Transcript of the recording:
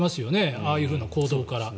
ああいう行動から。